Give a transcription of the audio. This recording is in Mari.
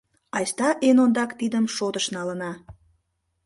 Айста эн ондак тидым шотыш налына.